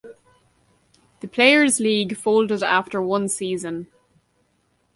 The Players' League folded after one season.